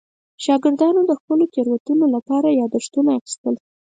شاګردانو د خپلو تېروتنو په اړه یادښتونه اخیستل.